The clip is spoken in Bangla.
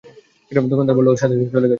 দোকানদার বললো ও সাথে সাথে চলে গেছে।